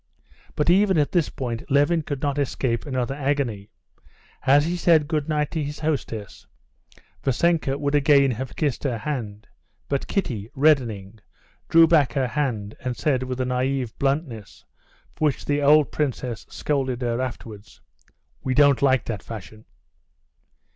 But even at this point Levin could not escape another agony. As he said good night to his hostess, Vassenka would again have kissed her hand, but Kitty, reddening, drew back her hand and said with a naïve bluntness, for which the old princess scolded her afterwards: "We don't like that fashion."